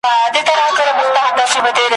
نو یې په برخه چړي پاچا سي ,